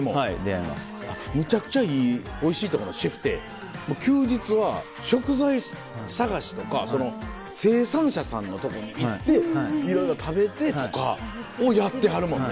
むちゃくちゃいいおいしいとこのシェフって休日は食材探しとか生産者さんのとこに行っていろいろ食べてとかをやってはるもんね。